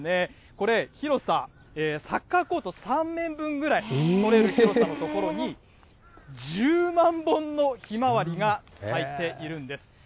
これ、広さサッカーコート３面分ぐらい取れる広さの所に、１０万本のひまわりが咲いているんです。